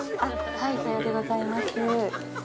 はい、さようでございます。